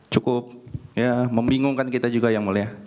cukup ya membingungkan kita juga yang mulia